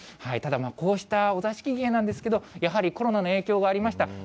ただ、こうしたお座敷芸なんですけど、やはりコロナの影響がありました。